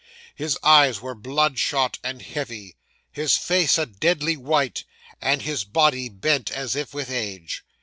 His eyes were bloodshot and heavy, his face a deadly white, and his body bent as if with age.